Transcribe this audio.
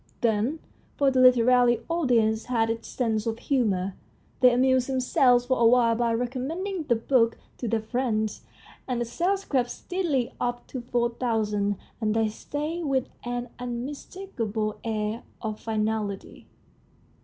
Then for the literary audience has its sense of humour they amused themselves for a while by recommending the book to their friends, and the sales crept steadily up to four thousand, and there stayed with an unmis takable air of finality.